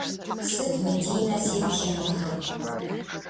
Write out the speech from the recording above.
Сыт мы Динэ сигу щӏимыхур?